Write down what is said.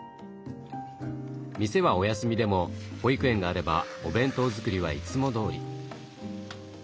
店はお休みでも保育園があればお弁当作りはいつもどおり。